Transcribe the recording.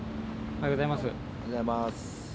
おはようございます。